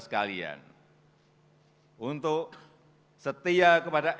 dengan keuntungan yang mempunyai